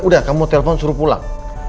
udah kamu telpon suruh pulang